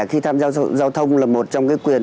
khi tham gia giao thông là một trong cái quyền